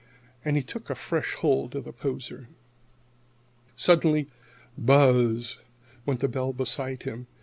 And he took a fresh hold on the poser. Suddenly "buzz" went the bell beside him.